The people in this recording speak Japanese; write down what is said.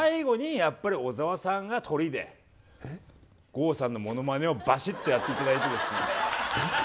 郷さんのものまねをバシッとやって頂いてですね。